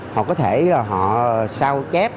họ có thể là họ sao chép